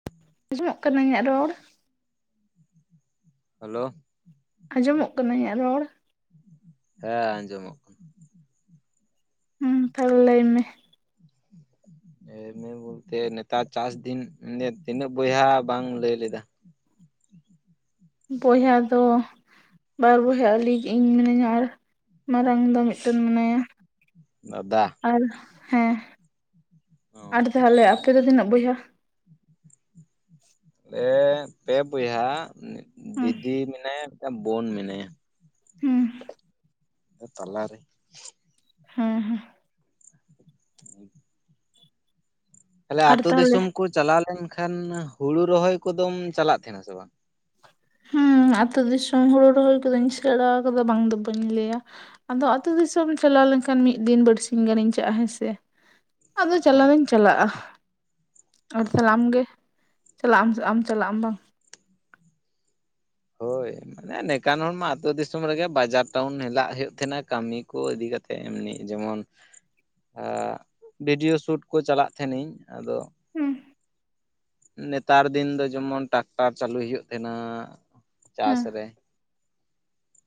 [inaudible] ᱟᱸᱡᱚᱢᱚᱜ ᱠᱟᱱᱟ ᱤᱧᱟᱜ ᱨᱚᱲ ᱦᱮᱞᱳ ᱟᱸᱡᱚᱢᱚᱜ ᱠᱟᱱᱟ ᱤᱧᱟᱹᱜ ᱨᱚᱲ ᱦᱮ ᱟᱸᱡᱚᱢᱚᱜ ᱠᱟᱱᱟ ᱦᱩᱸᱻ ᱛᱟᱦᱞᱮ ᱞᱟᱹᱭ ᱢᱮ [inaudible] ᱦᱮ ᱢᱮ ᱵᱚᱞᱛᱮ ᱱᱮᱛᱟᱨ ᱪᱟᱥ ᱫᱤᱱ ᱢᱟᱱᱮ ᱛᱤᱱᱟᱹᱜ ᱵᱚᱭᱦᱟ ᱵᱟᱝ ᱞᱟᱹᱭ ᱞᱮᱫᱟ ᱵᱚᱭᱦᱟ ᱫᱚ ᱵᱟᱨ ᱵᱚᱭᱦᱟ ᱟᱹᱞᱤᱧ ᱤᱧ ᱢᱤᱱᱟᱹᱧᱟ ᱟᱨ ᱢᱟᱨᱟᱝ ᱫᱟ ᱢᱤᱫᱴᱮᱱ ᱢᱮᱱᱟᱭᱟ ᱫᱟᱫᱟ ᱟᱨ ᱦᱮᱸ ᱚ ᱟᱨ ᱛᱟᱦᱚᱞᱮ ᱟᱯᱮ ᱫᱚ ᱛᱤᱱᱟᱹᱜ ᱵᱚᱭᱦᱟ [inaudible] ᱯᱮᱻ ᱯᱮ ᱵᱚᱭᱦᱟ ᱦᱩᱸ ᱫᱤᱫᱤ ᱢᱮᱱᱟᱭᱟ ᱢᱤᱫᱴᱟᱹᱝ ᱵᱳᱱ ᱢᱮᱱᱟᱭᱟ ᱦᱮᱸ ᱛᱟᱞᱟ ᱨᱮ ᱦᱮᱸ ᱦᱮᱸ [inaudible] ᱛᱟᱦᱞᱮ ᱟᱨ ᱟᱹᱛᱳ ᱛᱟᱦᱚᱞᱮ ᱫᱤᱥᱚᱢ ᱠᱚ ᱪᱟᱞᱟᱣ ᱞᱮᱱᱠᱷᱟᱱ ᱦᱳᱲᱳ ᱨᱚᱦᱚᱭ ᱠᱚᱫᱚᱢ ᱪᱟᱞᱟᱜ ᱛᱟᱦᱮᱱᱟ ᱥᱮ ᱵᱟᱝ ᱦᱮᱸ ᱟᱹᱛᱳ ᱫᱤᱥᱚᱢ ᱦᱳᱲᱳ ᱨᱚᱦᱚᱭ ᱠᱚᱫᱚᱧ ᱥᱮᱬᱟ ᱟᱠᱟᱫᱟ ᱵᱟᱝ ᱫᱚ ᱵᱟᱹᱧ ᱞᱟᱹᱭᱟ ᱟᱫᱚ ᱟᱹᱛᱳ ᱫᱤᱥᱚᱢ ᱪᱟᱞᱟᱣ ᱞᱮᱱᱠᱷᱟᱱ ᱢᱤᱫ ᱫᱤᱱ ᱵᱟᱹᱨᱥᱤᱧ ᱜᱟᱹᱱᱤᱧ ᱪᱟᱜᱼᱟ ᱦᱮᱸ ᱥᱮ ᱟᱫᱚ ᱪᱟᱞᱟᱣ ᱦᱳᱭ ᱫᱚᱧ ᱪᱟᱞᱟᱜᱼᱟ ᱟᱨ ᱛᱟᱨᱯᱚᱨ ᱟᱢᱜᱮ ᱪᱟᱞᱟᱜ ᱟᱢ ᱟᱢ ᱪᱟᱞᱟᱜ ᱟᱢ ᱵᱟᱝ ᱦᱳᱭ ᱢᱟᱱᱮ ᱱᱮᱠᱟᱱ ᱦᱚᱲᱢᱟ ᱟᱹᱛᱳ ᱫᱤᱥᱚᱢ ᱨᱮᱜᱮ ᱵᱟᱡᱟᱨ ᱴᱟᱣᱩᱱ ᱦᱮᱞᱟᱜ ᱦᱩᱭᱩᱜ ᱛᱟᱦᱮᱱᱟ ᱠᱟᱹᱢᱤ ᱠᱚ ᱤᱫᱤ ᱠᱟᱛᱮᱫ ᱮ ᱮᱢᱱᱤ ᱡᱮᱢᱚᱱ ᱵᱤᱰᱤᱭᱳ ᱥᱩᱴ ᱠᱚ ᱪᱟᱞᱟᱜ ᱛᱟᱦᱮᱱᱤᱧ ᱟᱫᱚ ᱦᱩᱸ ᱱᱮᱛᱟᱨ ᱫᱤᱱ ᱫᱚ ᱡᱮᱢᱚᱱ ᱴᱨᱟᱠᱴᱟᱨ ᱪᱟᱹᱞᱩᱭ ᱦᱩᱭᱩᱜ ᱛᱟᱦᱮᱸᱱᱟ ᱪᱟᱥ ᱦᱮᱸ ᱨᱮ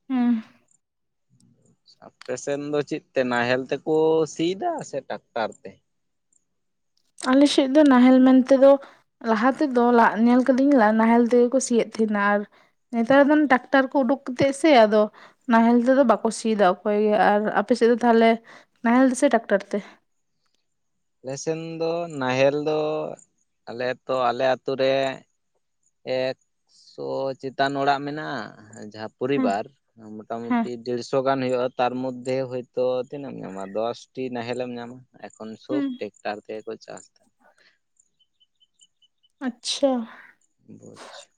ᱦᱮᱸ ᱟᱯᱮᱥᱮᱱ ᱫᱚ ᱪᱮᱫ ᱛᱮ ᱱᱟᱦᱮᱞ ᱛᱮᱠᱚ ᱥᱤᱭᱫᱟ ᱥᱮ ᱴᱟᱠᱴᱟᱨ ᱛᱮ ᱟᱞᱮ ᱥᱮᱫ ᱫᱚ ᱱᱟᱦᱮᱞ ᱢᱮᱱᱛᱮᱮᱫᱚ ᱞᱟᱦᱟ ᱛᱮᱫᱚ ᱞᱟ ᱧᱮᱞ ᱠᱟᱫᱤᱧ ᱱᱟᱦᱮᱞ ᱛᱮᱜᱮᱠᱚ ᱥᱤᱭᱮᱫ ᱛᱟᱦᱮᱸᱱᱟ ᱟᱨ ᱱᱮᱛᱟᱨ ᱫᱚ ᱰᱟᱠᱛᱟᱨ ᱠᱚ ᱩᱰᱩᱠ ᱠᱟᱛᱮᱫ ᱥᱮ ᱟᱫᱚ ᱱᱟᱦᱮᱞ ᱛᱮᱫᱚ ᱵᱟᱠᱚ ᱥᱤᱭᱫᱟ ᱚᱠᱚᱭ ᱜᱮ ᱟᱨ ᱟᱯᱮ ᱥᱮᱫ ᱫᱚ ᱛᱟᱦᱚᱞᱮ ᱱᱟᱦᱮᱞ ᱥᱮ ᱴᱟᱠᱴᱟᱨ ᱛᱮ? ᱟᱞᱮᱥᱮᱱ ᱫᱚ ᱱᱟᱦᱮᱞ ᱫᱚ ᱟᱞᱮ ᱛᱚ ᱟᱞᱮ ᱟᱛᱳ ᱨᱮ ᱮᱠᱥᱚ ᱪᱮᱛᱟᱱ ᱚᱲᱟᱜ ᱢᱮᱱᱟᱜᱼᱟ ᱡᱟᱦᱟᱸ ᱦᱮᱸ ᱯᱚᱨᱤᱵᱟᱨ ᱦᱮᱸ ᱢᱚᱴᱟᱢᱩᱴᱤ ᱫᱮᱲᱥᱚ ᱜᱟᱱ ᱦᱩᱭᱩᱜᱼᱟ ᱛᱟᱨ ᱢᱚᱫᱽᱫᱷᱮ ᱦᱳᱭᱛ ᱛᱚ ᱛᱤᱱᱟᱹᱜ ᱮᱢ ᱧᱟᱢᱟ ᱫᱚᱥᱴᱤ ᱱᱟᱦᱮᱞᱮᱢ ᱧᱟᱢᱟ ᱮᱠᱷᱚᱱ ᱥᱩᱵ ᱦᱩᱸ ᱴᱮᱠᱴᱟᱨ ᱛᱮᱜᱮ ᱠᱚ ᱪᱟᱥᱟ ᱟᱪᱪᱷᱟ ᱵᱪ [inaudible]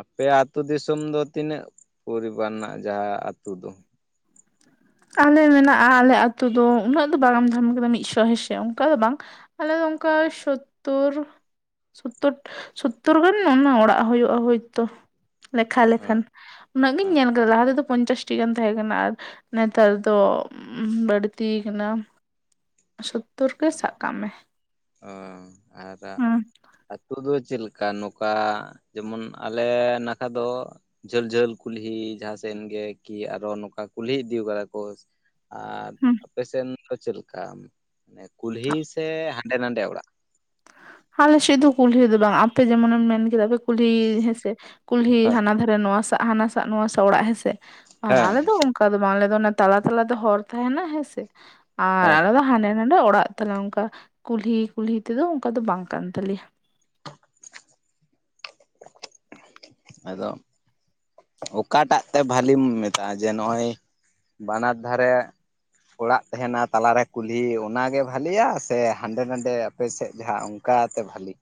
ᱟᱯᱮ ᱟ ᱟᱹᱛᱩ ᱫᱤᱥᱚᱢ ᱫᱚ ᱛᱤᱱᱟᱹᱜ ᱯᱚᱨᱤᱵᱟᱱ ᱨᱮᱱᱟᱜ ᱡᱟᱦᱟᱸ ᱟᱛ ᱫᱚ ᱟᱞᱮ ᱢᱮᱱᱟᱜᱼᱟ ᱟᱞᱮ ᱟᱛᱳ ᱫᱚ ᱩᱱᱟᱹᱜ ᱫᱚ ᱵᱟᱝᱢ ᱡᱟᱢ ᱟᱠᱟᱫᱟ ᱢᱤᱫ ᱥᱚ ᱦᱮᱸᱥᱮ ᱚᱱᱠᱟ ᱫᱚ ᱵᱟᱝ ᱟᱞᱮ ᱫᱚ ᱚᱱᱠᱟ ᱥᱳᱛᱛᱳᱨ ᱥᱳᱛᱛᱳᱨ ᱥᱳᱛᱛᱳᱨ ᱜᱟᱱ ᱚᱱᱟ ᱚᱲᱟᱜ ᱦᱩᱭᱩᱜᱼᱟ ᱦᱳᱭᱛᱳ ᱞᱮᱠᱷᱟ ᱦᱮᱸ ᱞᱮᱠᱷᱟᱱ ᱩᱱᱟᱹᱜ ᱜᱤᱧ ᱦᱮᱸ ᱧᱮᱞ ᱠᱟᱫᱟ ᱞᱟᱦᱟ ᱛᱮᱫᱚ ᱯᱚᱧᱪᱟᱥᱴᱤ ᱜᱟᱱ ᱛᱟᱦᱮᱸ ᱠᱟᱱᱟ, ᱟᱨ ᱱᱮᱛᱟᱨ ᱫᱚ ᱵᱟᱹᱲᱛᱤ ᱠᱟᱱᱟ᱾ ᱥᱳᱛᱛᱚᱨ ᱜᱮ ᱥᱟᱵ ᱠᱟᱜ ᱢᱮ ᱚ ᱟᱨ ᱦᱩᱸ ᱟᱹᱛᱩ ᱫᱚ ᱪᱮᱫᱠᱟ ᱠᱟ ᱱᱚᱝᱠᱟ ᱡᱮᱢᱚᱱ ᱟᱞᱮ ᱱᱟᱠᱷᱟ ᱫᱚ ᱡᱷᱟᱹᱞ ᱡᱷᱟᱹᱞ ᱠᱩᱞᱦᱤ ᱡᱟᱦᱟᱸᱥᱮᱱ ᱜᱮ ᱠᱤ ᱟᱨᱚ ᱱᱚᱝᱠᱟ ᱠᱩᱞᱦᱤ ᱤᱫᱤ ᱠᱟᱫᱟ ᱠᱚ, ᱟᱨ ᱦᱩᱸ ᱟᱯᱮᱥᱮᱱ ᱫᱚ ᱪᱮᱫ ᱞᱮᱠᱟ ᱢᱟᱱᱮ ᱠᱩᱞᱦᱤ ᱥᱮ ᱦᱟᱸᱰᱮ ᱱᱟᱰᱮ ᱚᱲᱟᱜ? ᱟᱞᱮ ᱥᱮᱫ ᱫᱚ ᱠᱩᱞᱦᱤ ᱫᱚ ᱵᱟᱝ ᱟᱯᱮ ᱡᱮᱢᱚᱱᱮᱢ ᱢᱮᱱ ᱠᱮᱫᱟᱮ ᱠᱩᱞᱦᱤ ᱦᱮᱸᱥᱮ ᱠᱩᱞᱦᱤ ᱦᱮᱸ ᱦᱟᱱᱟ ᱫᱷᱟᱨᱮ ᱱᱚᱣᱟ ᱫᱥᱜ ᱦᱟᱱᱟ ᱥᱟᱜ ᱱᱚᱣᱟ ᱚᱲᱟᱜ ᱦᱮᱸᱥᱮ ᱟᱨ ᱦᱮᱸ ᱟᱞᱮ ᱫᱚ ᱚᱱᱠᱟ ᱫᱚ ᱵᱟᱝ ᱟᱞᱮ ᱫᱚ ᱛᱟᱞᱟ ᱛᱟᱞᱟ ᱫᱚ ᱦᱚᱨ ᱛᱟᱦᱮᱱᱟ ᱦᱮᱸᱥᱮ ᱟᱨ ᱦᱮᱸ ᱟᱞᱮ ᱫᱚ ᱦᱟᱱᱮ ᱰ [inaudible] ᱮ ᱚᱲᱟᱜ ᱛᱟᱞᱮ ᱚᱱᱠᱟ ᱠᱩᱞᱦᱤ ᱠᱩᱞᱦᱤ ᱛᱮᱫᱚ ᱚᱱᱠᱟ ᱫᱚ ᱵᱟᱝ ᱠᱟᱱ ᱛᱟᱞᱮᱭᱟ! ᱟᱫᱚ ᱚᱠᱟᱴᱟᱜ ᱛᱮ ᱵᱷᱟᱞᱤᱢ ᱢᱮᱛᱟᱜᱼᱟ ᱡᱮ ᱱᱚᱜᱼᱚᱭ ᱵᱟᱱᱟᱨ ᱫᱷᱟᱨᱮ ᱚᱲᱟᱜ ᱛᱟᱦᱮᱱᱟ ᱛᱟᱞᱟᱨᱮ ᱠᱩᱞᱦᱤ ᱚᱱᱟᱜᱮ ᱵᱷᱟᱞᱤᱭᱟ ᱥᱮ ᱦᱟᱸᱰᱮ ᱱᱟᱰᱮ ᱟᱯᱮᱥᱮᱫ ᱡᱟᱦᱟᱸ ᱚᱱᱠᱟᱛᱮ ᱵᱷᱟᱹᱞᱤ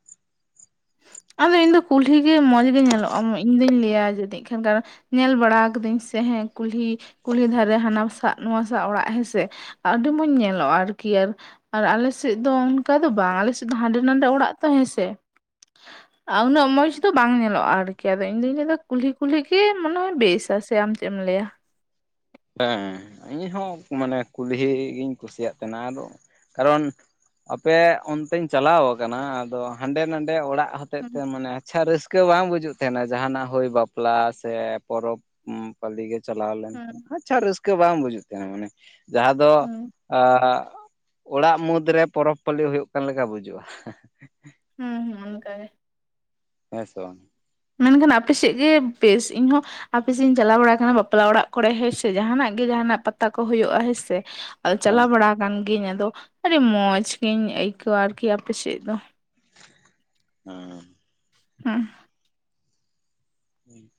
ᱟᱫᱚ ᱤᱧ ᱫᱚ ᱠᱩᱞᱦᱤ ᱜᱮ ᱢᱚᱸᱡᱽ ᱜᱮ ᱧᱮᱞᱚᱜᱼᱟ ᱤᱧ ᱫᱩᱧ ᱞᱟᱹᱭᱟ ᱡᱟᱹᱱᱤᱡ ᱠᱷᱟᱱ ᱠᱟᱨᱚᱱ ᱧᱮᱞ ᱵᱟᱲᱟ ᱠᱟᱹᱫᱟᱹᱧ ᱥᱮ ᱦᱮᱸ ᱠᱩᱞᱦᱤ ᱠᱩᱞᱦᱤ ᱫᱷᱟᱨᱮ ᱦᱟᱱᱟᱥᱟᱜ ᱱᱚᱣᱟᱥᱟᱜ ᱚᱲᱟᱜ ᱦᱮᱸᱥᱮ ᱟᱹᱰᱤ ᱢᱚᱸᱡᱽ ᱧᱮᱞᱚᱜᱼᱟ ᱟᱨᱠᱤ ᱟᱨ᱾ ᱟᱨ ᱟᱞᱮ ᱥᱮᱫ ᱫᱚ ᱚᱱᱠᱟ ᱫᱚ ᱵᱟᱝ ᱟᱞᱮ ᱥᱮᱫ ᱫᱚ ᱦᱟᱸᱰᱮ ᱱᱟᱰᱮ ᱚᱲᱟᱜ ᱛᱚ ᱦᱮᱸ ᱥᱮ᱾ ᱩᱱᱟᱹᱜ ᱢᱚᱸᱡᱽ ᱫᱚ ᱵᱟᱝ ᱧᱮᱞᱚᱜᱼᱟ ᱟᱨᱠᱤ ᱟᱫᱚ ᱤᱧ ᱫᱩᱧ ᱞᱟᱹᱭᱫᱟ ᱠᱩᱞᱦᱤ ᱠᱩᱞᱦᱤ ᱜᱮ ᱢᱚᱱᱮᱦᱚᱭ ᱵᱮᱥᱟ ᱥᱮ ᱟᱢ ᱪᱮᱫ ᱮᱢ ᱞᱟᱹᱭᱟ? ᱦᱮᱸ ᱤᱧ ᱦᱚᱸ ᱢᱟᱱᱮ ᱠᱩᱞᱦᱤ ᱜᱤᱧ ᱠᱩᱥᱤᱭᱟᱜ ᱛᱟᱦᱮᱱᱟ ᱟᱫᱚ ᱠᱟᱨᱚᱱ ᱟᱯᱮ ᱚᱱᱛᱮᱧ ᱪᱟᱞᱟᱣ ᱟᱠᱟᱱᱟ ᱟᱫᱚ ᱦᱟᱸᱰᱮ ᱱᱟᱰᱮ ᱚᱲᱟᱜ ᱦᱚᱛᱮᱫ ᱛᱮ ᱦᱩᱸ ᱢᱟᱱᱮ ᱟᱪᱪᱷᱟ ᱨᱟᱹᱥᱠᱟᱹ ᱵᱟᱝ ᱵᱩᱡᱩᱜ ᱛᱟᱦᱮᱱᱟ ᱡᱟᱦᱟᱱᱟᱜ ᱦᱩᱭ ᱵᱟᱯᱞᱟ ᱥᱮ ᱯᱚᱨᱚᱵᱽ᱾ ᱯᱟᱞᱤ ᱜᱮ ᱪᱟᱞᱟᱣ ᱞᱮᱱᱠᱷᱟᱱ ᱦᱩᱸ ᱟᱪᱪᱷᱟ ᱨᱟᱹᱥᱠᱟᱹ ᱵᱟᱝ ᱵᱩᱡᱩᱜ ᱛᱟᱦᱮᱱᱟ ᱢᱟᱱᱮ ᱡᱟᱦᱟᱸ ᱫᱚ ᱦᱩᱸ ᱟ ᱚᱲᱟᱜ ᱢᱩᱫᱽᱨᱮ ᱯᱚᱨᱚᱵᱽ ᱯᱟᱹᱞᱤ ᱦᱩᱭᱩᱜ ᱠᱟᱱ ᱞᱮᱠᱟ ᱵᱩᱡᱩᱜᱼᱟ᱾ ᱦᱩᱸ ᱦᱸ ᱚᱱᱠᱟᱜᱮ ᱦᱮᱸᱥᱮ ᱵᱟᱝ ᱢᱮᱱᱠᱷᱟᱱ ᱟᱯᱮ ᱥᱮᱫ ᱜᱮ ᱵᱮᱥ ᱤᱧᱦᱚᱸ ᱟᱯ ᱥᱮᱫ ᱤᱧ ᱪᱟᱞᱟᱣ ᱵᱟᱲᱟ ᱟᱠᱟᱱᱟ ᱵᱟᱯᱞᱟ ᱚᱲᱟᱜ ᱠᱚᱨᱮ ᱦᱮᱸᱥᱮ ᱡᱟᱦᱟᱱᱟᱜ ᱜᱮ ᱡᱟᱦᱟᱱᱟᱜ ᱯᱟᱛᱟ ᱠᱚ ᱦᱩᱭᱩᱜᱼᱟ ᱦᱮᱸ ᱥᱮ ᱟᱫᱚ ᱦᱮᱸ ᱪᱟᱞᱟᱣ ᱵᱟᱲᱟ ᱟᱠᱟᱱ ᱜᱤᱭᱟᱹᱧ ᱟᱫᱚ ᱟᱹᱰᱤ ᱢᱚᱸᱡᱽ ᱜᱤᱧ ᱟᱹᱭᱠᱟᱹᱣ-ᱟ ᱟᱨᱠᱤ ᱟᱯᱮ ᱥᱮᱫ ᱫᱚ᱾ ᱦᱩᱸ ᱦᱩᱸ ᱩᱸ [unintelligible]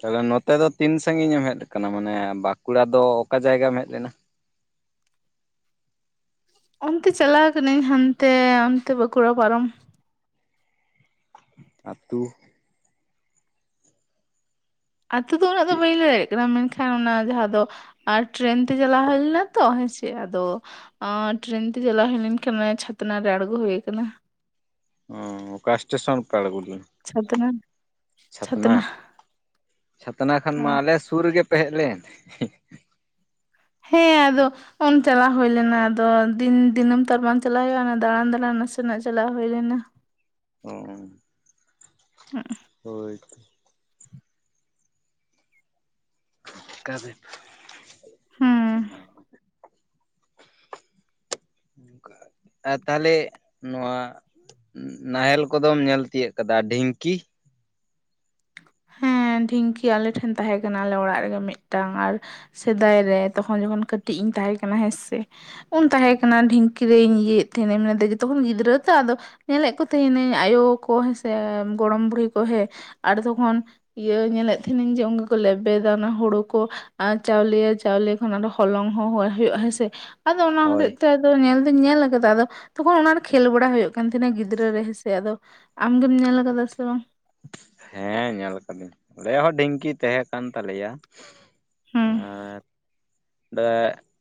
ᱛᱚᱵᱮ ᱱᱚᱛᱮ ᱫᱚ ᱛᱤᱱ ᱥᱟᱺᱜᱤᱧ ᱮᱢ ᱦᱮᱡ ᱟᱠᱟᱱᱟ ᱢᱟᱱᱮ ᱵᱟᱸᱠᱩᱲᱟ ᱫᱚ ᱚᱠᱟ ᱡᱟᱭᱜᱟᱢ ᱦᱮᱡ ᱞᱮᱱᱟ? ᱚᱱᱛᱮ ᱪᱟᱞᱟᱣ ᱠᱟᱹᱱᱟᱹᱧ ᱦᱟᱱᱛᱮ ᱚᱱᱛᱮ ᱵᱟᱸᱠᱩᱲᱟ ᱯᱟᱨᱚᱢ᱾ ᱟᱛᱩ ᱟᱛᱩ ᱫᱚ ᱩᱱᱟᱹᱜ ᱫᱚ ᱪᱮᱫ ᱵᱟᱹᱧ ᱞᱟᱹᱭ ᱫᱟᱲᱮᱭᱟᱜ ᱠᱟᱱᱟ ᱢᱮᱱᱠᱷᱟᱱ ᱦᱮ ᱚᱱᱟ ᱡᱟᱦᱟᱸ ᱫᱚ ᱟᱨ ᱴᱨᱮᱱ ᱛᱮ ᱪᱟᱞᱟᱣ ᱦᱩᱭ ᱞᱮᱱᱟ ᱛᱚ ᱦᱮᱸᱥᱮ ᱟᱫᱚ ᱚᱸᱻ ᱴᱨᱮᱱ ᱛᱮ ᱪᱟᱞᱟᱣ ᱦᱩᱭ ᱞᱮᱱᱠᱷᱟᱱᱮ ᱪᱷᱟᱛᱱᱟ ᱨᱮ ᱟᱬᱜᱚ ᱦᱩᱭ ᱠᱟᱱᱟ᱾ ᱚ ᱚᱠᱟ ᱥᱴᱮᱥᱚᱱ ᱯᱮ ᱟᱬᱜᱚ ᱞᱮᱱᱟ? ᱪᱷᱟᱛᱱᱟ ᱪᱷᱟᱛᱱᱟ, ᱪᱷᱟᱛᱱᱟ ᱠᱷᱟᱱ ᱢᱟ ᱦᱮᱸ ᱟᱞᱮ ᱥᱩᱨ ᱨᱮᱜᱮ ᱯᱮ ᱦᱮᱡ ᱞᱮᱱ᱾ ᱦᱮᱸ ᱟᱫᱚ ᱩᱱ ᱪᱟᱞᱟᱣ ᱦᱩᱭ ᱞᱮᱱᱟ ᱟᱫᱚ ᱫᱤᱱ ᱫᱤᱱᱟᱹᱢ ᱛᱚ ᱵᱟᱝ ᱪᱟᱞᱟᱣ ᱦᱩᱭᱩᱜᱼᱟ ᱚᱱᱟ ᱫᱟᱬᱟᱱ ᱫᱟᱬᱟᱱ ᱱᱟᱥᱮᱱᱟᱜ ᱪᱟᱞᱟᱣ ᱦᱩᱭ ᱞᱮᱱᱟ᱾ ᱚᱻ ᱦᱩᱸ ᱦᱳᱭᱻᱛᱚ ᱚᱠᱟᱨᱮ ᱦᱮᱸ ᱟᱨ ᱛᱟᱦᱞᱮ ᱱᱚᱣᱟ ᱱᱟᱦᱮᱞ ᱠᱚᱫᱚᱢ ᱧᱮᱞ ᱛᱤᱭᱟᱹᱜ ᱠᱟᱫᱟ᱾ ᱰᱷᱤᱝᱠᱤ? ᱦᱮᱸ, ᱰᱷᱤᱝᱠᱤ ᱟᱞᱮ ᱴᱷᱮᱱ ᱛᱟᱦᱮᱸ ᱠᱟᱱᱟ᱾ ᱟᱞᱮ ᱚᱲᱟᱜ ᱨᱮᱜᱮ ᱢᱤᱫᱴᱟᱝ ᱟᱨ ᱥᱮᱫᱟᱭ ᱨᱮ, ᱛᱚᱠᱷᱚᱱ ᱡᱚᱠᱷᱚᱱ ᱠᱟᱹᱴᱤᱡ ᱤᱧ ᱛᱟᱦᱮᱸ ᱠᱟᱱᱟ ᱦᱮᱸ ᱥᱮ᱾ ᱩᱱ ᱛᱟᱦᱮᱸ ᱠᱟᱱᱟ ᱰᱷᱤᱝ ᱼᱠᱤ ᱨᱮᱧ ᱤᱭᱟᱹ ᱮᱫ ᱛᱟᱦᱮᱸ ᱱᱟᱧ ᱢᱟᱱᱮ ᱟᱫᱚ ᱛᱚᱠᱷᱚᱱ ᱜᱤᱫᱽᱨᱟᱹ ᱛᱚ᱾ ᱟᱫᱚ ᱧᱮᱞᱮᱫ ᱠᱚ ᱛᱟᱦᱮᱱᱟᱹᱧ ᱟᱭᱳ ᱠᱚ ᱦᱮᱸ ᱥᱮ, ᱜᱚᱲᱚᱢ ᱵᱩᱲᱦᱤ ᱠᱚ ᱦᱮᱸ, ᱟᱨ ᱛᱚᱠᱷᱚᱱ ᱤᱭᱟᱹ ᱧᱮᱞᱮᱫ ᱛᱟᱦᱮᱸ ᱱᱟᱹᱧ ᱡᱮ ᱩᱱᱠᱩ ᱠᱚ ᱞᱮᱵᱮᱫᱟ ᱚᱱᱟ ᱦᱳᱲᱳ ᱠᱚ ᱪᱟᱣᱞᱮᱭᱟ ᱪᱟᱣᱞᱮ ᱚᱱᱟ ᱫᱚ ᱦᱚᱞᱚᱝ ᱦᱚᱸ ᱦᱳᱭᱳᱜᱼᱟ ᱦᱮᱸ ᱥᱮ ᱾ ᱟᱫᱚ ᱚᱱᱟ ᱦᱳᱭ ᱦᱚᱛᱮᱡ ᱛᱮ ᱧᱮᱞ ᱫᱩᱧ ᱧᱮᱞ ᱠᱟᱫᱟ ᱟᱫᱚ, ᱛᱚᱠᱷᱚᱱ ᱚᱱᱟᱨᱮ ᱠᱷᱮᱞ ᱵᱟᱲᱟ ᱦᱳᱭᱳᱜ ᱠᱟᱱ ᱛᱟᱦᱮᱱᱟ ᱜᱤᱫᱽᱨᱟᱹ ᱨᱮ ᱦᱮᱸ ᱥᱮ, ᱟᱫᱚ ᱟᱢ ᱫᱚᱢ ᱧᱮᱞ ᱟᱠᱟᱫᱟ ᱥᱮ ᱵᱟᱝ? ᱦᱮᱸ ᱧᱮᱞ ᱠᱟᱫᱟᱹᱧ ᱟᱞᱮ ᱦᱚᱸ ᱰᱷᱤᱝᱠᱤ ᱛᱟᱦᱮᱸ ᱠᱟᱱ ᱛᱟᱞᱮᱭᱟ ᱾ ᱦᱩᱸ ᱟᱨ [unintelligible]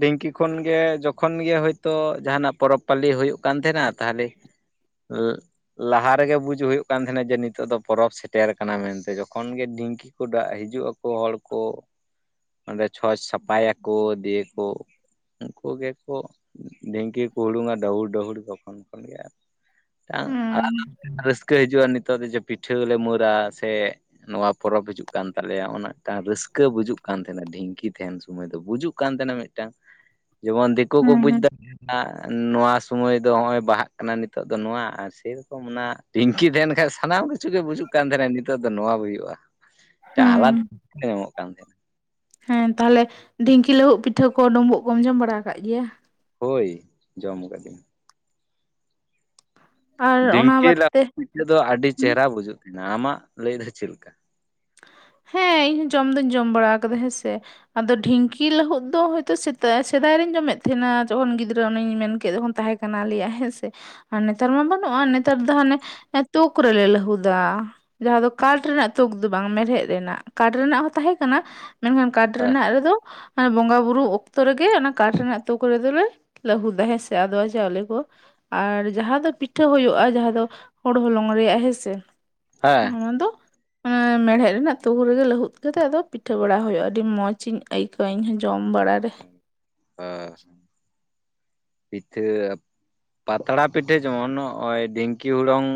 ᱰᱷᱤᱝᱠᱤ ᱠᱷᱚᱱ ᱜᱮ, ᱡᱚᱠᱷᱚᱱ ᱜᱮ ᱦᱳᱭᱛᱳ ᱡᱟᱦᱟᱱᱟᱜ ᱯᱚᱨᱚᱵᱽ ᱯᱟᱹᱞᱤ ᱦᱳᱭᱳᱜ ᱠᱟᱱ ᱛᱟᱦᱮᱱᱟ᱾ ᱛᱟᱦᱚᱞᱮ ᱩᱸᱻ ᱞᱟᱦᱟ ᱨᱮᱜᱮ ᱵᱩᱡ ᱦᱩᱭᱩᱜ ᱠᱟᱱ ᱛᱟᱦᱮᱱᱟ ᱡᱮ, ᱱᱤᱛᱚᱜ ᱫᱚ ᱯᱚᱨᱚᱵᱽ ᱥᱮᱴᱮᱨ ᱟᱠᱟᱱᱟ ᱢᱮᱱᱛᱮ ᱾ ᱡᱚᱠᱷᱚᱱ ᱜᱮ ᱰᱷᱤᱝᱠᱤ ᱠᱚ ᱰᱟᱜ ᱦᱤᱡᱩᱜᱼᱟ᱾ ᱠᱚ ᱦᱚᱲ ᱠᱚ ᱚᱸᱰᱮ ᱪᱷᱚᱸᱪ ᱥᱟᱯᱷᱟᱭ ᱟᱠᱚ᱾ ᱫᱤᱭᱮ ᱠᱚ ᱩᱱᱠᱩ ᱜᱮᱠᱚ ᱰᱷᱤᱝᱠᱤ ᱠᱚ ᱦᱩᱲᱩᱝ ᱟ ᱰᱟᱹᱦᱩᱲ ᱰᱟᱹᱦᱩᱲ ᱛᱚᱠᱷᱚᱱ ᱠᱚ ᱞᱟᱹᱭ-ᱟ᱾ ᱢᱤᱫᱴᱟᱝ ᱦᱩᱸ ᱟᱞᱟᱫᱟ ᱢᱤᱫᱴᱟᱝ ᱨᱟᱹᱥᱠᱟᱹ ᱦᱤᱡᱩᱜᱼᱟ ᱱᱤᱛᱚᱜ ᱫᱚ ᱡᱮ ᱯᱤᱴᱷᱟᱹ ᱞᱮ ᱢᱟᱹᱨᱼᱟ ᱥᱮ ᱱᱚᱣᱟ ᱯᱚᱨᱚᱵᱽ ᱦᱤᱡᱩᱜ ᱠᱟᱱ ᱛᱟᱞᱮᱭᱟ᱾ ᱚᱱᱟ ᱢᱤᱫᱴᱟᱝ ᱨᱟᱹᱥᱠᱟᱹ ᱵᱩᱡᱩᱜ ᱠᱟᱱᱟ ᱛᱟᱦᱮᱱᱟ ᱰᱷᱤᱝᱠᱤ᱾ ᱼᱼᱠᱤ ᱛᱟᱦᱮᱱ ᱥᱚᱢᱚᱭ ᱫᱚ ᱵᱩᱡᱩᱜ ᱠᱟᱱ ᱛᱟᱦᱮᱱᱟ ᱢᱮᱫᱴᱟᱝ ᱾ ᱡᱮᱢᱚᱱ ᱫᱮᱠᱳ ᱠᱚ ᱦᱩᱸ ᱵᱩᱡ ᱦᱩᱸ ᱫᱟ᱾ ᱱᱚᱣᱟ ᱥᱚᱢᱚᱭ ᱫᱚ ᱦᱚᱜᱼᱚᱭ ᱵᱟᱦᱟᱜ ᱠᱟᱱᱟ ᱱᱤᱛᱚᱜ ᱫᱚ᱾ ᱱᱚᱣᱟ ᱟᱨ ᱥᱮ ᱨᱚᱠᱚᱢ ᱚᱱᱟ ᱰᱷᱤᱝᱠᱤ ᱛᱟᱦᱮᱱ ᱠᱷᱟᱡ ᱥᱟᱱᱟᱢ ᱠᱤᱪᱷᱩ ᱜᱮ ᱵᱩᱡᱩᱜ ᱠᱟᱱ ᱛᱟᱦᱮᱱᱟ᱾ ᱱᱤᱛᱚᱜ ᱫᱚ ᱱᱚᱣᱟ ᱦᱳᱭᱳᱜᱼᱟ᱾ ᱟᱞᱟᱫᱟ ᱦᱩᱸ [inaudible] ᱧᱟᱢᱚᱜ ᱠᱟᱱ ᱛᱟᱦᱮᱱᱟ᱾ ᱦᱮᱸ ᱛᱟᱦᱚᱞᱮ ᱰᱷᱤᱝᱠᱤ ᱞᱟᱹᱦᱩᱫ ᱯᱤᱴᱷᱟᱹ ᱠᱚ, ᱰᱩᱢᱵᱩᱜ ᱠᱚᱢ ᱡᱚᱢ ᱵᱟᱲᱟ ᱟᱠᱟᱜ ᱜᱮᱭᱟ? ᱦᱳᱭ ᱡᱚᱢ ᱟᱠᱟᱫᱟᱧ ᱾ ᱟᱨ ᱚᱱᱟ ᱰᱷᱤᱝᱠᱤ ᱵᱟᱫ ᱛᱮ [unintelligible] ᱯᱤᱷᱟᱹ ᱫᱚ ᱟᱹᱰᱤ ᱦᱩᱸ ᱪᱮᱦᱨᱟ ᱵᱩᱡᱩᱜ ᱛᱟᱦᱮᱱᱟ᱾ ᱟᱢᱟᱜ ᱞᱟᱹᱭ ᱫᱚ ᱪᱮᱫ ᱞᱮᱠᱟ? ᱦᱮᱸ ᱤᱧ ᱦᱚᱸ ᱡᱚᱢ ᱫᱩᱧ ᱡᱚᱢ ᱵᱟᱲᱟ ᱟᱠᱟᱫᱟ ᱦᱮᱸ ᱥᱮ᱾ ᱟᱫᱚ ᱰᱷᱤᱝᱠᱤ ᱞᱟᱹᱦᱩᱫ ᱫᱚ ᱦᱳᱭᱛᱳ ᱥᱮᱫᱟᱭ ᱨᱤᱧ ᱡᱚᱢᱮᱫ ᱛᱟᱦᱮᱱᱟ᱾ ᱡᱚᱠᱷᱚᱱ ᱜᱤᱫᱽᱨᱟᱹ ᱚᱱᱮᱧ ᱢᱮᱱ ᱠᱮᱫ ᱡᱚᱠᱷᱚᱱ ᱛᱟᱦᱮᱸ ᱥᱟᱱᱟ ᱞᱮᱭᱟ ᱦᱮᱸ ᱥᱮ ᱟᱨ ᱱᱮᱛᱟᱨ ᱢᱟ ᱵᱟᱹᱱᱩᱜᱼᱟ᱾ ᱱᱮᱛᱟᱨ ᱫᱚ ᱦᱟᱱᱮ ᱮᱸ ᱛᱩᱠ ᱠᱚᱨᱮ ᱞᱮ ᱞᱟᱹᱦᱩᱫᱟ᱾ ᱡᱟᱦᱟᱸ ᱫᱚ ᱠᱟᱴᱷ ᱨᱮᱱᱟᱜ ᱛᱩᱠ ᱵᱟᱝ ᱢᱮᱲᱦᱮᱫ ᱨᱮᱱᱟᱜ᱾ ᱠᱟᱴ ᱨᱮᱱᱟᱜ ᱦᱚᱸ ᱛᱟᱦᱮᱸ ᱠᱟᱱᱟ᱾ ᱢᱮᱱᱠᱷᱟᱱ ᱠᱟᱴᱷ ᱦᱮᱸ ᱨᱮᱱᱟᱜ ᱨᱮᱫᱚ ᱵᱚᱸᱜᱟ ᱵᱩᱨᱩ ᱚᱠᱛᱚ ᱨᱮᱜᱮ, ᱚᱱᱟ ᱠᱟᱴᱷ ᱨᱮᱱᱟᱜ ᱛᱩᱠ ᱨᱮ ᱫᱚᱞᱮ ᱞᱟᱹᱦᱩᱫᱟ ᱦᱮᱸ ᱥᱮ ᱟᱫᱣᱟ ᱪᱟᱣᱞᱮ ᱠᱚ᱾ ᱟᱨ ᱡᱟᱦᱟᱸ ᱫᱚ ᱯᱤᱴᱷᱟᱹ ᱦᱳᱭᱳᱜᱼᱟ, ᱡᱟᱦᱟᱸ ᱫᱚ ᱦᱳᱲᱳ ᱦᱚᱞᱚᱝ ᱨᱮᱭᱟᱜ ᱦᱮᱸ ᱥᱮ ᱦᱮᱸ ᱚᱱᱟ ᱫᱚ᱾ ᱮᱸ ᱢᱮᱲᱦᱮᱫ ᱨᱮᱱᱟᱜ ᱛᱩᱠᱩ [inaudible] ᱨᱮᱜᱮ ᱞᱟᱹᱦᱩᱫ ᱠᱟᱛᱮᱜ ᱟᱫᱚ ᱯᱤᱴᱷᱟᱹ ᱵᱟᱲᱟ ᱦᱳᱭᱳᱜᱼᱟ, ᱟᱹᱰᱤ ᱢᱚᱸᱡᱽ ᱤᱧ ᱟᱹᱭᱠᱟᱹᱣᱟ ᱤᱧᱦᱚᱸ ᱡᱚᱢ ᱵᱟᱲᱟ ᱨᱮ᱾ ᱦᱮᱸ ᱯᱤᱴᱷᱟᱹ, ᱯᱟᱛᱲᱟ ᱯᱤᱴᱷᱟᱹ ᱡᱮᱢᱚᱱ ᱱᱚᱜᱼᱚᱭ ᱰᱷᱤᱝᱠᱤ ᱦᱩᱲᱩᱝ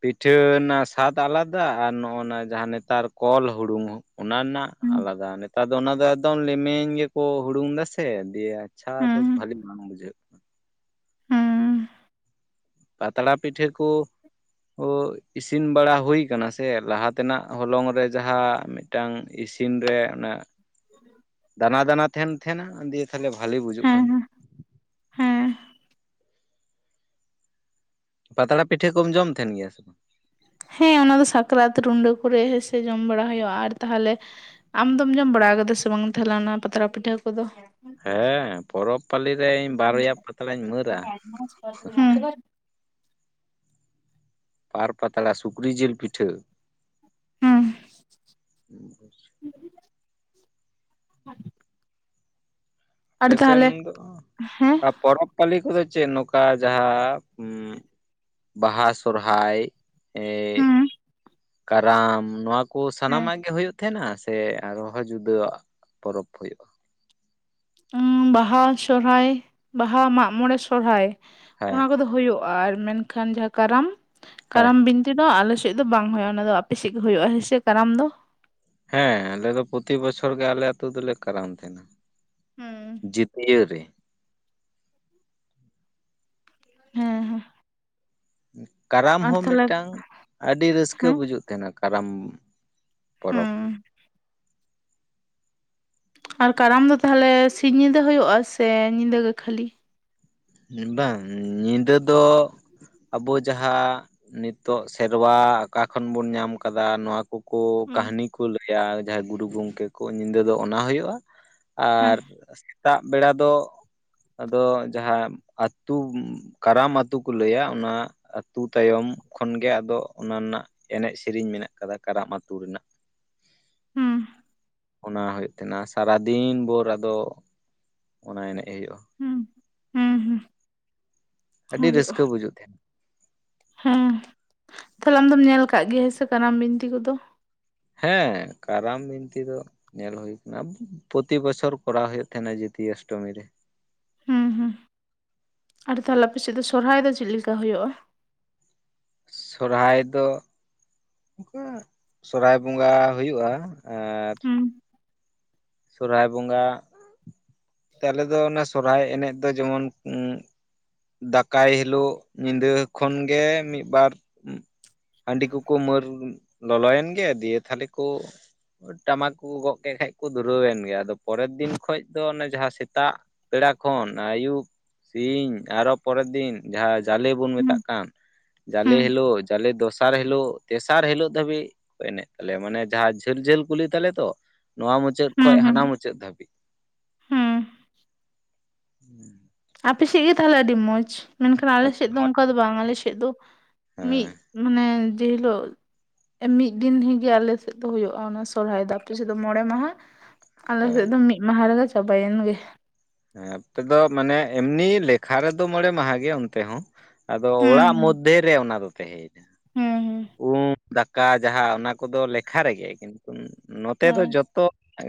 ᱯᱤᱴᱷᱟᱹ ᱨᱮᱱᱟᱜ ᱥᱟᱫ ᱟᱞᱟᱫᱟ ᱟᱨ ᱱᱚᱜᱼᱱᱟ ᱡᱟᱦᱟᱸ ᱱᱮᱛᱟᱨ ᱠᱚᱞ ᱦᱩᱲᱩᱝ ᱚᱱᱟ ᱨᱮᱱᱟᱜ ᱦᱩᱸ ᱟᱞᱟᱫᱟ, ᱱᱮᱛᱟᱨ ᱫᱚ ᱚᱱᱟ ᱫᱚ ᱮᱠᱫᱚᱢ ᱞᱮᱢᱮᱧ ᱜᱮᱠᱚ ᱦᱩᱲᱩᱝ ᱫᱟ ᱥᱮ ᱫᱤᱭᱮ ᱪᱷᱟ ᱫᱚ ᱦᱩᱸ ᱵᱷᱟᱞᱤ [unintelligible] ᱦᱩᱸᱻ ᱯᱟᱛᱲᱟ ᱯᱤᱴᱷᱟᱹ ᱠᱚ ᱠᱚ ᱤᱥᱤᱱ ᱵᱟᱲᱟ ᱦᱳᱭ ᱠᱟᱱᱟ ᱥᱮ, ᱞᱟᱦᱟ ᱛᱮᱱᱟᱜ ᱦᱚᱞᱚᱝ ᱨᱮ ᱡᱟᱦᱟᱸ ᱢᱮᱫᱴᱟᱝ ᱤᱥᱤ ᱤᱱ ᱨᱮ ᱚᱱᱟ, ᱫᱟᱱᱟ ᱫᱟᱱᱟ ᱛᱟᱦᱮᱱ ᱛᱟᱦᱮᱸᱱᱟ ᱫᱤᱭᱮ ᱛᱟᱦᱞᱮ ᱵᱷᱟᱞᱤ ᱵᱩᱡᱩᱜ ᱠᱟᱱ ᱦᱮᱸ ᱛᱟᱦᱮᱱᱟ᱾ ᱦᱮᱸ ᱯᱟᱛᱲᱟ ᱯᱤᱴᱷᱟᱹ ᱠᱚᱢ ᱡᱚᱢ ᱛᱟᱦᱮᱱ ᱜᱮᱭᱟ ᱥᱮ? ᱦᱮᱸ, ᱚᱱᱟ ᱫᱚ ᱥᱟᱠᱨᱟᱛ ᱨᱩᱰᱟᱹ ᱠᱚᱨᱮ ᱦᱳᱭ ᱥᱮ ᱡᱚᱢ ᱵᱟᱲᱟ ᱦᱳᱭᱳᱜᱼᱟ ᱾ ᱟᱨ ᱛᱟᱦᱚᱞᱮ ᱟᱢ ᱫᱚᱢ ᱡᱚᱢ ᱵᱟᱲᱟ ᱠᱟᱫᱟ ᱥᱮ ᱵᱟᱝ ᱛᱟᱦᱞᱮ ᱚᱱᱟ ᱯᱟᱛᱲᱟ ᱯᱤᱴᱷᱟᱹ ᱠᱚᱫᱚ? ᱦᱮᱸ, ᱯᱚᱨᱚᱵᱽ ᱯᱟᱹᱞᱤ ᱨᱮ ᱤᱧ ᱵᱟᱨᱭᱟ ᱯᱟᱛᱲᱟᱧ ᱢᱟᱹᱨᱟ ᱾ ᱵᱟᱨ ᱯᱟᱛᱲᱟ ᱥᱩᱠᱨᱤ ᱡᱤᱞ ᱯᱤᱴᱷᱟᱹ, ᱦᱩᱸ [unintelligible] ᱟᱨ ᱟᱯᱮᱥᱮᱱ ᱛᱟᱦᱚᱞᱮ ᱫᱚ ᱦᱮᱸ ᱟᱯ ᱯᱚᱨᱚᱵᱽ ᱯᱟᱹᱞᱤ ᱠᱚᱫᱚ ᱪᱮᱫ ᱱᱚᱠᱟ ᱡᱟᱦᱟᱸ ᱵᱟᱦᱟ ᱥᱚᱨᱦᱟᱭ ᱮᱸ ᱦᱩᱸ ᱠᱟᱨᱟᱢ ᱱᱚᱣᱟ ᱠᱚ ᱦᱮᱸ ᱥᱟᱱᱟᱢᱟᱜ ᱜᱮ ᱦᱩᱭᱩᱜ ᱛᱟᱦᱮᱱᱟ ᱥᱮ ᱥᱮ ᱟᱨᱦᱚᱸ ᱡᱩᱫᱟᱹᱣᱟᱜ ᱯᱚᱨᱚᱵ ᱦᱩᱭᱩᱜᱼᱟ? ᱵᱟᱦᱟ ᱥᱚᱨᱦᱟᱭ ᱵᱟᱦᱟ, ᱢᱟᱜ-ᱢᱚᱬᱮ ᱥᱚᱨᱦᱟᱭ ᱦᱮᱸ ᱚᱱᱟ ᱠᱚᱫᱚ ᱦᱩᱭᱩᱜᱼᱟ ᱟᱨ ᱢᱮᱱᱠᱷᱟᱱ ᱡᱟᱦᱟᱸ ᱠᱟᱨᱟᱢ ᱦᱮᱸ ᱠᱟᱨᱟᱢ ᱵᱤᱱᱛᱤ ᱫᱚ ᱟᱞᱮ ᱮᱜ ᱫᱚ ᱵᱟᱝ ᱦᱩᱭᱩᱜᱼᱟ ᱚᱱᱟ ᱫᱚ ᱟᱯᱮᱥᱮᱫ ᱜᱮ ᱦᱩᱭᱩᱜᱼᱟ ᱦᱮᱸᱥᱮ ᱠᱟᱨᱟᱢ ᱫᱚ ᱦᱮᱸ ᱟᱞᱮ ᱫᱚ ᱯᱨᱚᱛᱤ ᱵᱚᱪᱷᱚᱨ ᱜᱮ ᱟᱞᱮ ᱟᱛᱩ ᱫᱚᱞᱮ ᱠᱟᱨᱟᱢ ᱛᱟᱦᱮᱸᱱᱟ ᱦᱩᱸ ᱾ ᱡᱤᱛᱭᱟᱹ ᱨᱮ᱾ ᱦᱮᱸ ᱦᱮᱸ᱾ ᱠᱟᱨᱟᱢ ᱟᱨ ᱦᱚᱸ ᱛᱟᱦᱞᱮ ᱢᱤᱫᱴᱟᱝ ᱟᱹᱰᱤ ᱨᱟᱹᱥᱠᱟᱹ ᱦᱮᱸ ᱵᱩᱡᱩᱜ ᱛᱮᱱᱟ ᱠᱟᱨᱟᱢ ᱯᱚᱨᱚᱵ ᱩᱸ ᱟᱨ ᱠᱟᱨᱟᱢ ᱫᱚ ᱛᱟᱦᱚᱞᱮ ᱥᱤᱧ ᱧᱤᱫᱟᱹ ᱦᱩᱭᱩᱜᱼᱟ ᱥᱮ ᱧᱤᱫᱟᱹ ᱜᱮ ᱠᱷᱟᱹᱞᱤ? ᱵᱟᱝ ᱧᱤᱫᱟᱹ ᱫᱚ ᱟᱵᱚ ᱡᱟᱦᱟᱸ ᱱᱤᱛᱚᱜ ᱥᱮᱨᱣᱟ ᱚᱠᱟ ᱠᱷᱚᱱ ᱵᱚᱱ ᱧᱟᱢ ᱟᱠᱟᱫᱟ ᱱᱚᱣᱟ ᱠᱚ ᱠᱚ ᱦᱩᱸ ᱠᱟᱹᱦᱱᱤ ᱠᱚ ᱞᱟᱹᱭᱟ ᱟᱨ ᱡᱟᱦᱟᱸᱭ ᱜᱩᱨᱩ ᱜᱚᱢᱠᱮ ᱠᱚ ᱧᱤᱫᱟᱹ ᱫᱚ ᱚᱱᱟ ᱦᱳᱭᱳᱜᱼᱟ ᱾ ᱦᱮᱸ ᱟᱨ ᱥᱮᱛᱟᱜ ᱵᱮᱲᱟ ᱫᱚ ᱟᱫᱚ ᱡᱟᱦᱟᱸ ᱟᱹᱛᱩ ᱠᱟᱨᱟᱢ ᱟᱛᱩ ᱠᱚ ᱞᱟᱹᱭᱟ ᱚᱱᱟ ᱟᱹᱛᱩ ᱛᱟᱭᱚᱢ ᱠᱷᱚᱱᱜᱮ ᱟᱫᱚ ᱚᱱᱟ ᱱᱟᱜ ᱮᱱᱮᱡ ᱥᱮᱨᱮᱧ ᱢᱮᱱᱟᱜ ᱠᱟᱫᱟ ᱠᱟᱨᱟᱢ ᱟᱹᱛᱩ ᱨᱮᱱᱟᱜ, ᱦᱩᱸ ᱚᱱᱟ ᱦᱩᱭᱩᱜ ᱛᱟᱦᱮᱱᱟ ᱥᱟᱨᱟᱫᱤᱱ ᱵᱷᱳᱚᱨ ᱟᱫᱚ ᱚᱱᱟ ᱮᱱᱮᱡ ᱦᱩᱭᱩᱜᱼᱟ ᱾ ᱦᱩᱸ ᱦᱩᱸ ᱦᱩᱸ ᱟᱹᱰᱤ ᱦᱩᱭᱩᱜᱼᱟ ᱨᱟᱹᱥᱠᱟᱹ ᱾ ᱵᱩᱡᱩᱜ ᱛᱟᱦᱮᱱᱟ ᱦᱮᱸ ᱛᱟᱦᱚᱞᱮ ᱟᱢᱫᱚᱢ ᱧᱮᱞ ᱠᱟᱜ ᱜᱮᱭᱟ ᱦᱮᱥᱮ ᱠᱟᱨᱟᱢ ᱵᱤᱱᱛᱤ ᱠᱚᱫᱚ? ᱦᱮᱸ ᱠᱟᱨᱟᱢ ᱵᱤᱱᱛᱤ ᱫᱚ ᱧᱮᱞ ᱦᱩᱭ ᱠᱟᱱᱟ ᱯᱚᱛᱤ ᱵᱚᱪᱷᱚᱨ ᱠᱚᱨᱟᱣ ᱦᱩᱭᱩᱜ ᱛᱟᱦᱮᱸᱱᱟ ᱡᱟ. ᱛᱭᱟᱹ ᱚᱥᱴᱚᱢᱤ ᱨᱮ ᱦᱩᱸ ᱦᱩᱸ ᱟᱨ ᱛᱟᱦᱚᱞᱮ ᱟᱯᱮᱥᱮᱫ ᱫᱚ ᱥᱚᱨᱦᱟᱭ ᱫᱚ ᱪᱮᱫ ᱞᱮᱠᱟ ᱦᱩᱭᱩᱜᱼᱟ? ᱥᱚᱨᱦᱟᱭ ᱫᱚ ᱚᱱᱠᱟ ᱥᱚᱦᱨᱟᱭ ᱵᱚᱸᱜᱟ ᱦᱩᱭᱩᱜᱼᱟ ᱟᱨ ᱦᱩᱸ ᱥᱚᱨᱦᱟᱭ ᱵᱚᱸᱜᱟ, ᱱᱚᱛᱮ ᱟᱞᱮ ᱫᱚ ᱚᱱᱟ ᱥᱚᱨᱦᱟᱭ ᱮᱱᱮᱡ ᱫᱚ ᱡᱮᱢᱚᱱ ᱩᱸᱜ ᱫᱟᱠᱟᱭ ᱦᱤᱞᱳᱜ ᱧᱤᱫᱟᱹ ᱠᱷᱚᱱᱜᱮ ᱢᱤᱫᱵᱟᱨ ᱦᱟᱹᱰᱤ ᱠᱚᱠᱚ ᱢᱟᱹᱨ ᱞᱚᱞᱚᱭᱮᱱ ᱜᱮ ᱫᱤᱭᱮ ᱛᱟᱦᱞᱮ ᱠᱚ ᱴᱟᱢᱟᱠ ᱠᱚ ᱜᱚᱜ ᱠᱮ ᱠᱷᱟᱡ ᱠᱚ ᱫᱷᱩᱨᱟᱹᱣᱮᱱ ᱜᱮ ᱟᱫᱚ ᱯᱚᱨᱮᱨ ᱫᱤᱱ ᱠᱷᱚᱱ ᱫᱚ ᱚᱱᱮ ᱡᱟᱦᱟᱸ ᱥᱮᱛᱟᱜ ᱵᱮᱲᱟ ᱠᱷᱚᱱ ᱟᱹᱭᱩᱵ ᱥᱤᱧ ᱟᱨᱚ ᱯᱚᱨᱮᱨ ᱫᱤᱱ ᱡᱟᱦᱟᱸ ᱡᱟᱞᱮ ᱵᱚᱱ ᱢᱮᱛᱟᱜ ᱦᱩᱸ ᱠᱟᱱ ᱡᱟᱞᱮ ᱦᱩᱸ ᱦᱮᱞᱳ ᱡᱟᱞᱮ ᱫᱚᱥᱟᱨ ᱦᱮᱞᱳ ᱛᱮᱥᱟᱨ ᱦᱮᱞᱳ ᱫᱷᱟᱹᱵᱤ ᱮᱱᱮᱡ ᱛᱟᱞᱮᱭᱟ ᱢᱟᱱᱮ ᱡᱟᱦᱟᱸ ᱡᱷᱟᱹᱞ ᱡᱷᱟᱹᱞ ᱠᱩᱞᱤ ᱛᱟᱞᱮ ᱛᱚ ᱱᱚᱣᱟ ᱢᱩᱪᱟᱹᱫ ᱠᱷᱚᱱ ᱦᱩᱸ ᱦᱩᱸ ᱦᱟᱱᱟ ᱢᱩᱪᱟᱹᱫ ᱫᱷᱟᱹᱵᱤᱡ ᱦᱩᱸ ᱟᱯᱮᱥᱮᱫ ᱜᱮ ᱛᱟᱦᱚᱞᱮ ᱟᱹᱰᱤ ᱢᱚᱸᱡᱽ ᱢᱮᱱᱠᱷᱟᱱ ᱦᱮᱸ ᱟᱞᱮᱥᱮᱫ ᱫᱚ ᱚᱱᱠᱟ ᱫᱚ ᱵᱟᱝ ᱟᱞᱮᱥᱮᱫ ᱫᱚ ᱢᱤᱫ ᱢᱟᱱᱮ ᱡᱮᱦᱤᱞᱳᱜ ᱢᱤᱫ ᱫᱤᱱᱜᱮ ᱟᱞᱮ ᱥᱮᱫ ᱫᱚ ᱦᱩᱭᱩᱜᱼᱟ ᱚᱱᱟ ᱥᱚᱨᱦᱟᱭ ᱫᱚ ᱟᱯᱮ ᱥᱮᱫ ᱫᱚ ᱢᱚᱬᱮ ᱢᱟᱦᱟ ᱟᱞᱮ ᱥᱮᱫ ᱦᱮᱸ ᱫᱚ ᱢᱤᱫ ᱢᱟᱦᱟ ᱨᱮᱟ ᱪᱟᱵᱭᱮᱱ ᱜᱮ ᱦᱮᱸ ᱟᱯᱮ ᱫᱚ ᱢᱟᱱᱮ ᱮᱢᱱᱤ ᱞᱮᱠᱷᱟ ᱨᱮᱫᱚ ᱢᱚᱬᱮ ᱢᱟᱦᱟ ᱜᱮ ᱚᱱᱛᱮ ᱦᱚᱸ ᱟᱫᱚ ᱚᱲᱟᱜ ᱦᱩᱸ ᱢᱚᱫᱽᱫᱷᱮ ᱨᱮ ᱚᱱᱟ ᱫᱚ ᱛᱟᱦᱮᱸ ᱦᱩᱸ ᱦᱩᱸ ᱫᱟᱠᱟ ᱡᱟᱦᱟᱸ ᱚᱱᱟ ᱠᱚᱫᱚ ᱞᱮᱠᱷᱟ ᱨᱮᱜᱮ ᱠᱤᱱᱛᱩ ᱱᱚᱛᱮ ᱫᱚ ᱦᱳᱭ ᱡᱚᱛᱚ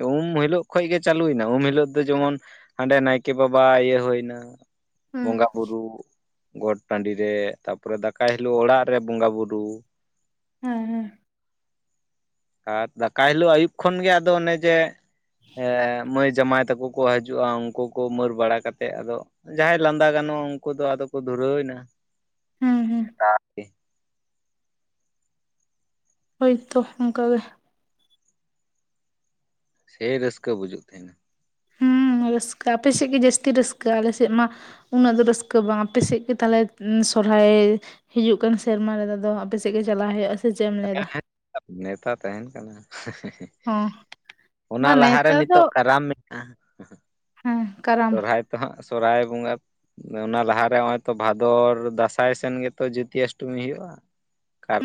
ᱩᱢ ᱦᱤᱞᱳᱜ ᱠᱷᱚᱱ ᱜᱮ ᱪᱟᱹᱞᱩᱭᱱᱟ ᱩᱢ ᱦᱤᱞᱳᱜ ᱫᱚ ᱡᱮᱢᱚᱱ ᱦᱟᱸᱰᱮ ᱱᱟᱭᱠᱮ ᱵᱟᱵᱟ ᱤᱭᱟᱹ ᱦᱩᱭᱱᱟ ᱦᱮᱸ ᱵᱚᱸᱜᱟ ᱵᱩᱨᱩ ᱜᱚᱴ ᱴᱟᱺᱰᱤ ᱨᱮ ᱛᱟᱯᱚᱨᱮ ᱫᱟᱠᱟᱭ ᱦᱤᱞᱳᱜ ᱚᱲᱟᱜ ᱨᱮ ᱵᱚᱸᱜᱟ ᱵᱩᱨᱩ ᱦᱮᱸ ᱦᱮᱸ ᱟᱨ ᱫᱟᱠᱟ ᱦᱤᱞᱳᱜ ᱟᱹᱭᱩᱵ ᱠᱷᱚᱱᱜᱮ ᱟᱫᱚ ᱚᱱᱮ ᱡᱮ ᱢᱟᱹᱭ ᱡᱟᱢᱟᱭ ᱛᱟᱠᱚ ᱾ ᱠᱚ ᱦᱤᱡᱩᱜᱼᱟ ᱩᱱᱠᱩ ᱠᱚ ᱩᱢᱟᱹᱨ ᱵᱟᱲᱟ ᱠᱟᱛᱮᱫ ᱟᱫᱚ ᱡᱟᱦᱟᱸᱭ ᱞᱟᱸᱫᱟ ᱜᱟᱱᱚᱜᱼᱟ ᱩᱱᱠᱩ ᱫᱚ ᱟᱫᱚ ᱠᱚ ᱫᱷᱩᱨᱟᱹᱣ ᱮᱱᱟ ᱾ ᱦᱩᱸ ᱦᱩᱸ ᱟᱨ [unintelligible] ᱦᱳᱭᱛᱳ ᱚᱱᱠᱟᱜᱮ ᱥᱮᱭ ᱨᱟᱹᱥᱠᱟᱹ ᱵᱩᱡᱩᱜ ᱛᱟᱦᱮᱱᱟ ᱾ ᱦᱩᱸ ᱨᱟᱹᱥᱠᱟᱹ ᱟᱯᱮ ᱥᱮᱫ ᱜᱮ ᱡᱟᱹᱥᱛᱤ ᱨᱟᱹᱥᱠᱟᱹ ᱟᱞᱮ ᱥᱮᱫ ᱢᱟ ᱩᱱᱟᱹᱜ ᱫᱚ ᱨᱟᱹᱥᱠᱟᱹ ᱵᱟᱝ ᱟᱯᱮᱥᱮᱫ ᱜᱮ ᱛᱟᱦᱚᱞᱮ ᱥᱚᱨᱦᱟᱭ ᱦᱤᱡᱩᱜ ᱠᱟᱱ ᱥᱮᱨᱢᱟ ᱨᱮᱫᱚ ᱫᱚ ᱟᱯᱮ ᱥᱮᱫ ᱜᱮ ᱪᱟᱞᱟᱜᱣ ᱦᱩᱭᱩᱜᱼᱟ ᱥᱮ ᱪᱮᱫ ᱮᱢ ᱞᱟᱹᱭ ᱮᱫᱟ? ᱱᱮᱣᱛᱟ ᱛᱟᱦᱮᱱ ᱠᱟᱱᱟ ᱚ ᱚᱱᱟ ᱵᱟᱝ ᱞᱟᱦᱟᱨᱮ ᱱᱮᱛᱟᱨ ᱫᱚ ᱱᱤᱛᱚᱜ ᱠᱟᱨᱟᱢ ᱦᱮᱸ ᱠᱟᱨᱟᱢ ᱥᱚᱨᱦᱟᱭ ᱛᱚ ᱦᱟᱸᱜ ᱥᱚᱨᱚᱦᱟᱭ ᱵᱚᱸᱜᱟ ᱚᱱᱟ ᱞᱟᱦᱟᱨᱮ ᱱᱚᱜ ᱚᱭ ᱛᱚ ᱵᱷᱟᱫᱚᱨ ᱫᱟᱸᱥᱟᱭ ᱥᱮᱱ ᱜᱮᱛᱚ ᱠᱚᱛᱤ ᱚᱥᱴᱚᱢᱤ ᱦᱩᱭᱩᱜᱼᱟ ᱠᱟᱨᱟᱢ